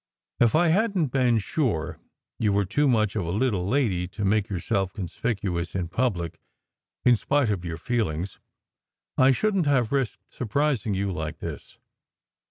If I hadn t been sure you were too much of a little lady to make yourself conspicuous in public, in spite of your feelings, I shouldn t have risked surprising you like this.